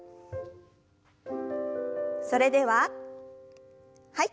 それでははい。